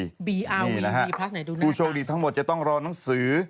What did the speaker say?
บีอาร์วีบีพลัสไหนดูหน้าผู้โชคดีทั้งหมดจะต้องรอนังสือ